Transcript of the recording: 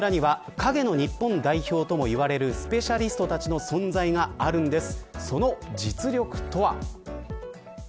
その裏には影の日本代表とも言われるスペシャリストたちの存在があるんです。